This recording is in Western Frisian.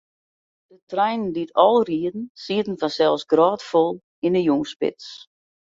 De treinen dy't ál rieden, sieten fansels grôtfol yn 'e jûnsspits.